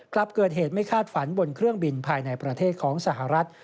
กลับเกิดเหตุไม่คาดฝันบนเครื่องบินภายในประเทศของสหรัฐ